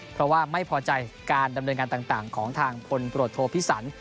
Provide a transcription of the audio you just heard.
เพราะว่าไม่พอใจการดำเนินการต่างของทางพลตรวจโทพิสัน